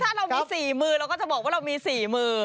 ถ้าเรามี๔มือเราก็จะบอกว่าเรามี๔มือ